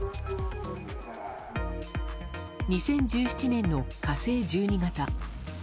２０１７年の「火星１２型」。